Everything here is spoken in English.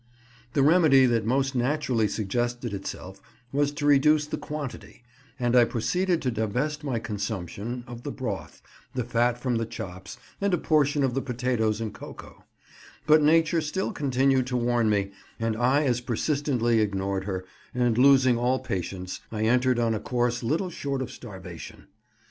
The remedy that most naturally suggested itself was to reduce the quantity, and I proceeded to divest my consumption, of the broth, the fat from the chops, and a portion of the potatoes and cocoa; but nature still continued to warn me, and I as persistently ignored her, and, losing all patience, I entered on a course little short of starvation.